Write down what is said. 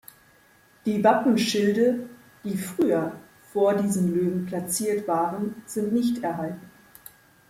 Die Wappenschilde, die früher vor diesen Löwen platziert waren, sind nicht erhalten.